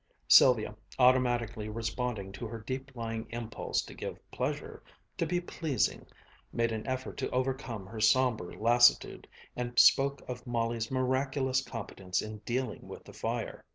Sylvia, automatically responding to her deep lying impulse to give pleasure, to be pleasing, made an effort to overcome her somber lassitude and spoke of Molly's miraculous competence in dealing with the fire.